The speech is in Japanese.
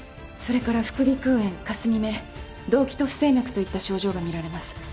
それから副鼻腔炎かすみ目どうきと不整脈といった症状が見られます。